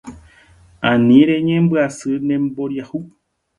Ani reñembyasy ne mboriahu